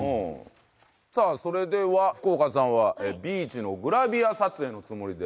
さあそれでは福岡さんはビーチのグラビア撮影のつもりでよろしいでしょうか？